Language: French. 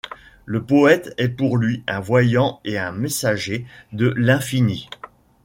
Le poète est pour lui un voyant et un messager de l'infini.